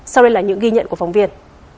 sau đây là những ghi nhận của phóng viên